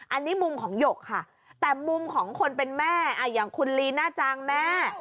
อันนี้มุมของหยกค่ะแต่มุมของคนเป็นแม่อย่างคุณลีน่าจังแม่